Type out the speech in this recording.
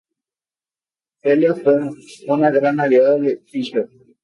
Celia fue una gran aliada de Fisher.